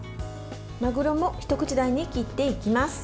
マグロも一口大に切っていきます。